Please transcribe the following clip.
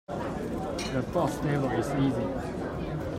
The boss level is easy.